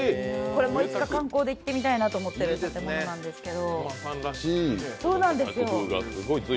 いつか観光で行ってみたいなと思ってる建物なんですけど。